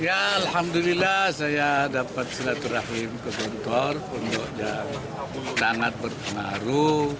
alhamdulillah saya dapat selatuh rahim ke gontor untuk sangat berkenaruh